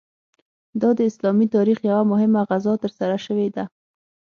دا د اسلامي تاریخ یوه مهمه غزا ترسره شوې ده.